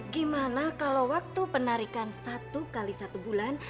gimana kalau waktu penarikan satu x satu bulan